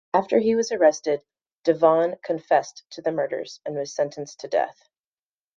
After he was arrested, DeVaughan confessed to the murders and was sentenced to death.